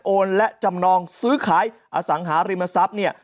และจำนองซื้อขายอสังหาริมทรัพย์เนี่ย